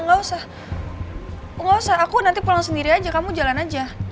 engga usah aku pulang sendiri aja kamu jalan aja